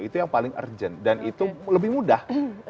itu yang paling urgent dan itu lebih mudah